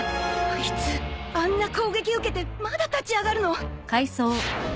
あいつあんな攻撃受けてまだ立ち上がるの！？